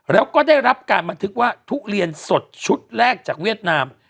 แล้วก็ได้รับการบันทึกว่าทุเรียนสดชุดแรกจากเวียดนาม